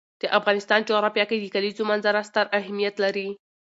د افغانستان جغرافیه کې د کلیزو منظره ستر اهمیت لري.